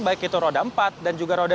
baik itu roda empat dan juga roda empat